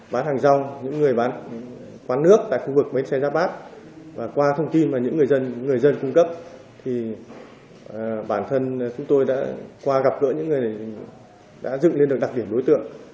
bản thân chúng tôi đã qua gặp gỡ những người đã dựng lên được đặc điểm đối tượng